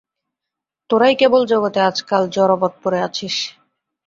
তোরাই কেবল জগতে আজকাল জড়বৎ পড়ে আছিস।